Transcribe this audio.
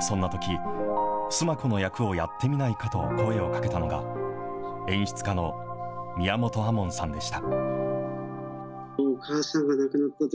そんなとき、須磨子の役をやってみないかと声をかけたのが、演出家の宮本亞門さんでした。